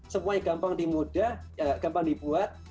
semuanya gampang dibuat